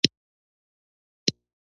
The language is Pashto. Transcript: پنځه شپیتم سوال د دفتر اساسي مهارتونه دي.